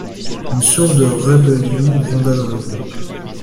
Une sourde rébellion gronda dans le groupe.